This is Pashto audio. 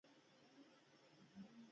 ارجنټاین د یوې کوچنۍ ډلې لخوا اداره کېده.